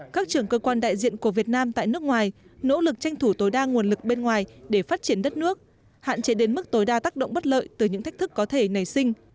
các trưởng cơ quan đại diện của việt nam tại nước ngoài nỗ lực tranh thủ tối đa nguồn lực bên ngoài để phát triển đất nước hạn chế đến mức tối đa tác động bất lợi từ những thách thức có thể nảy sinh